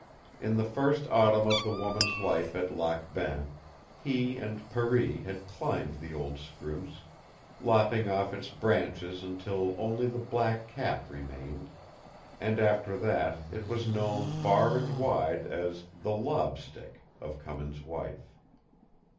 In the first autumn of the woman's life at Lac Bain, he and Per ee had climbed the old spruce, lopping off its branches until only the black cap remained; and after that it was known far and wide as the "lobstick" of Cummins' wife.